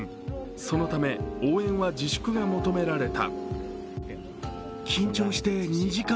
そのため応援は自粛が求められた。